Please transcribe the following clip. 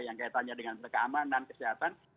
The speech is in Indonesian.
yang kaitannya dengan keamanan kesehatan